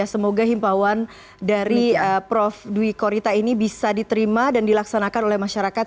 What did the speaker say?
semoga himbawan dari prof dwi korita ini bisa diterima dan dilaksanakan oleh masyarakat